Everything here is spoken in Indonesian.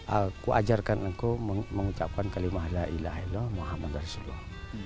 aku ajarkan engkau mengucapkan kalimah la ilaha illah muhammad rasulullah